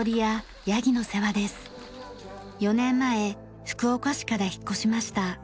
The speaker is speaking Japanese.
４年前福岡市から引っ越しました。